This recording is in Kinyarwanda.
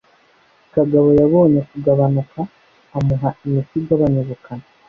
Kagabo yabonye kugabanuka, amuha imiti igabanya ubukana